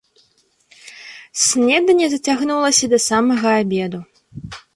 Снеданне зацягнулася да самага абеду.